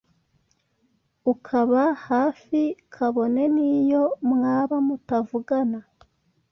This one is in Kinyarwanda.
ukababa hafi kabone n’iyo mwaba mutavugana